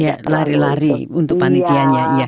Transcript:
ya lari lari untuk panitianya